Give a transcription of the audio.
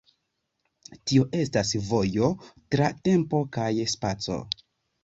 Tio estas vojo tra tempo kaj spaco.